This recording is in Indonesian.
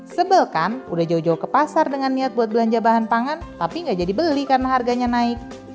sebel kan udah jauh jauh ke pasar dengan niat buat belanja bahan pangan tapi nggak jadi beli karena harganya naik